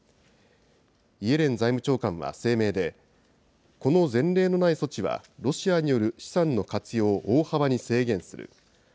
イエレン財務長官は声明で、この前例のない措置はロシアによる資産の活用を大幅に制限する。